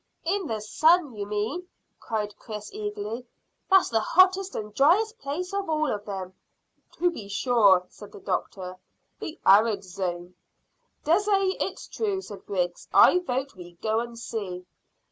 "In the sun, you mean," cried Chris eagerly. "That's the hottest and dryest place of all of them." "To be sure," said the doctor "the arid zone." "Dessay it's true," said Griggs. "I vote we go and see."